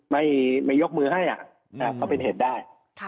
ไม่ยกมือให้อ่ะค่ะก็เป็นเหตุได้